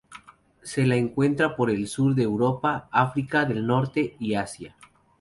Se la encuentra por el sur de Europa, África del Norte y Asia.